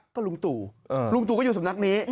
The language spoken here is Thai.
ก็ลุงตู่ลุงตู่ก็อยู่สำนักนี้